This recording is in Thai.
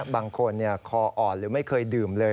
บางคนคออ่อนหรือไม่เคยดื่มเลย